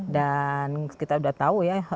dan kita sudah tahu ya